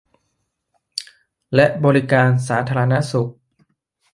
และบริการสาธารณสุข